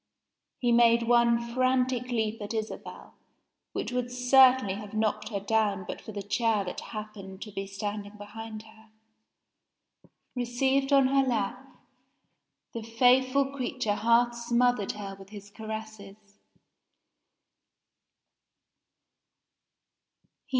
He made one frantic leap at Isabel, which would certainly have knocked her down but for the chair that happened to be standing behind her. Received on her lap, the faithful creature half smothered her with his caresses.